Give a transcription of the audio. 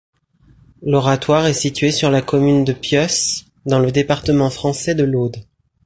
L'oratoire est situé sur la commune de Pieusse, dans le département français de l'Aude.